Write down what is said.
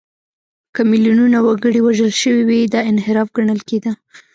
که میلیونونه وګړي وژل شوي وي، دا انحراف ګڼل کېده.